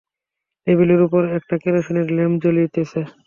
টেবিলের উপর একটা কেরোসিনের ল্যাম্প জ্বলিতেছে।